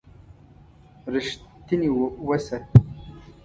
رښتيني وسه.